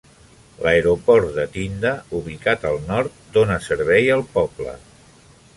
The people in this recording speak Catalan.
L'aeroport de Tynda, ubicat al nord, dona servei al poble.